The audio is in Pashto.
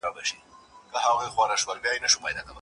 خلګ به نوي او ډېر پرمختللي مهارتونه زده کړي.